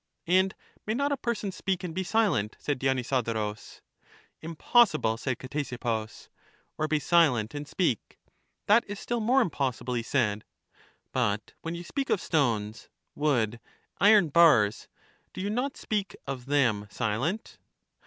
And may not a person speak and be silent? said Dionysodorus. Impossible, said Ctesippus. Or be silent and speak. That is still more impossible, he said. But when you speak of stones, wood, iron bars, do you not speak (of them) silent?